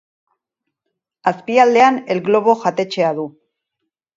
Azpialdean El Globo jatetxea du.